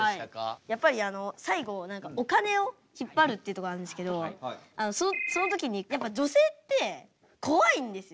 やっぱりあの最後お金を引っ張るってとこあるんですけどその時にやっぱ女性って怖いんですよ。